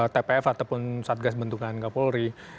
tpf ataupun satgas bentukan kapolri